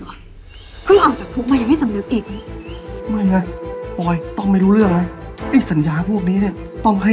แล้วมันจะมาอยู่ที่นี่ได้ยังไง